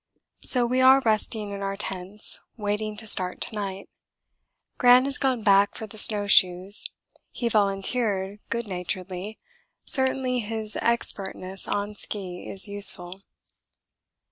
So we are resting in our tents, waiting to start to night. Gran has gone back for the snow shoes he volunteered good naturedly certainly his expertness on ski is useful.